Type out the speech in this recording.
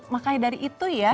makanya dari itu ya